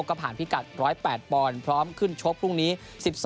ก็ผ่านพิกัด๑๐๘ปอนด์พร้อมขึ้นชกพรุ่งนี้๑๒